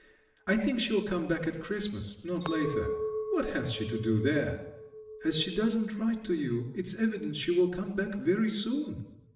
I think she'll come back at Christmas, not later; what has she to do there?" "As she doesn't write to you, it's evident she will come back very soon."